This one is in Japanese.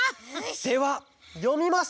ではよみます！